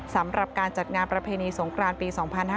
สำหรับการจัดงานประเพณีสงครานปี๒๕๕๙